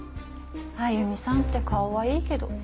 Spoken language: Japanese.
歩さんって顔はいいけど。